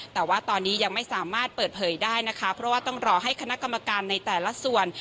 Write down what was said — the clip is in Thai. แต่ว่าตอนนี้ยังไม่สามารถเปิดเผยได้นะคะเพราะว่าต้องรอให้คณะกรรมการในแต่ละส่วน